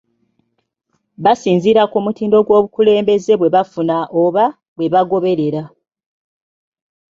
Basinziira ku mutindo gw’obukulembeze bwe bafuna oba bwe bagoberera.